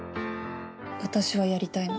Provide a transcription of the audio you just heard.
私はやりたいの。